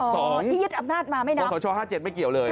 ที่ยึดอำนาจมาไม่นะขอสช๕๗ไม่เกี่ยวเลย